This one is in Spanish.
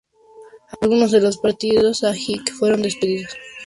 Algunos de los partidarios a Hicks fueron despedidos y otros dimitieron en protesta.